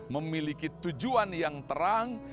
memiliki tujuan yang terang